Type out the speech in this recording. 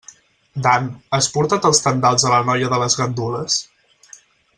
Dan, has portat els tendals a la noia de les gandules?